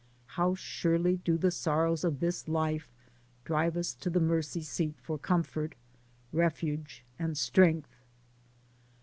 How surely do the sorrows of this life drive us to the mercy seat for comfort, refuge and strength.